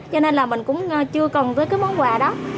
cho nên là mình cũng chưa cần với cái món quà đó